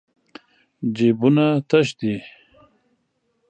جېبونه تش دي.